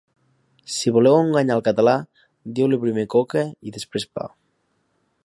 Si voleu enganyar el català, deu-li primer coca i després pa.